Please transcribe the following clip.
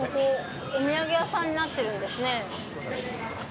お土産屋さんになってるんですね。